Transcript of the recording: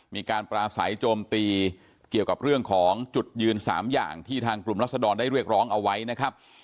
มีการปราศัยโจมตีเกี่ยวกับเรื่องของจุดยืน๓อย่างที่ทางกลุ่มรัศดรได้เรียกร้องเอาไว้นะครับ